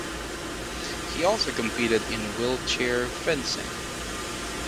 He also competed in wheelchair fencing.